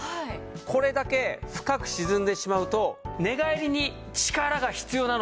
これだけ深く沈んでしまうと寝返りに力が必要なのわかります？